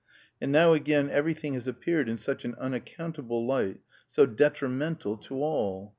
And now again everything has appeared in such an unaccountable light, so detrimental to all!